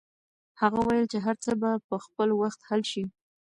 هغه وویل چې هر څه به په خپل وخت حل شي.